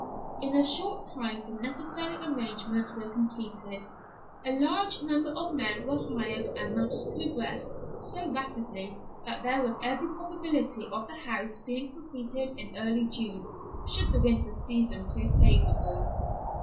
In a short time the necessary arrangements were completed. A large number of men were hired and matters progressed so rapidly that there was every probability of the house being completed early in June, should the winter season prove favorable.